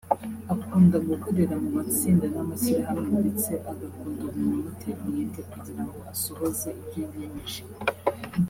Akunda gukorera mu matsinda n’amashyirahamwe ndetse agakunda umuntu umutera umwete kugira ngo asohoze ibyo yiyemeje